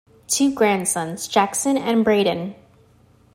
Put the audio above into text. Two grandsons, Jaxon and Braedon.